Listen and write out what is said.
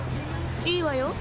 いいわよ